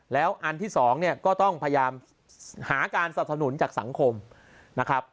แล้วอันที่สองเนี่ยก็ต้องพยายามหาการสนับสนุนจากสังคมนะครับ